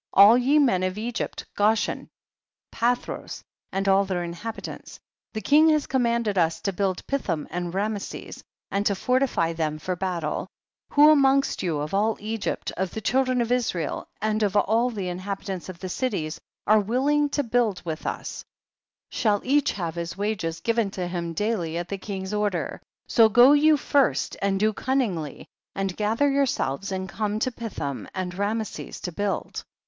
All ye men of Egypt, Goshen, Pathros and all their inhabitants ! the king has commanded us to build Pi thom and Rameses, and to fortify them for battle ; who amongst you of all Egypt, of the children of Israel and of all the inhabitants of the cities, are loilling to build with us, shall each have his wages given to him daily at the king's order ; so go vou first and do cunningly, and gather yourselves and come to Pithom and Rameses to build.